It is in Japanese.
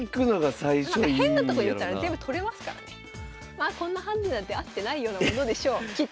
まあこんなハンデなんてあってないようなものでしょうきっと。